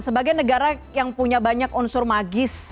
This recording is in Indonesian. sebagai negara yang punya banyak unsur magis